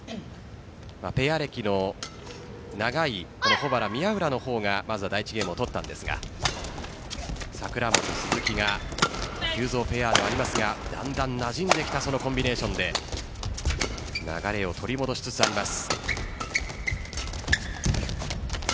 ペア歴の長い保原・宮浦の方がまずは第１ゲームを取ったんですが櫻本・鈴木が急造ペアではありますがだんだんなじんできたコンビネーションで流れを取り戻しつつあります。